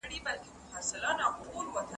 که ته زړور وای نو داسې به نه کیدل.